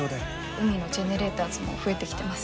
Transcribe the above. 海のジェネレーターズも増えてきてます。